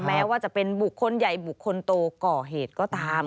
แม้ว่าจะเป็นบุคคลใหญ่บุคคลโตก่อเหตุก็ตาม